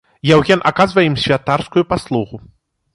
Яўген аказвае ім святарскую паслугу.